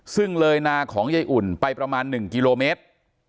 ซึ่งเลยนาของยายอุ่นไปประมาณ๑กิโลเมตร